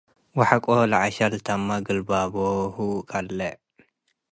ወሐቆ ለዐሸል ተመ ግልባቦሁ ቀሌዕ ።